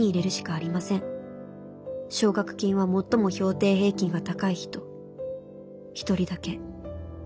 奨学金は最も評定平均が高い人一人だけ。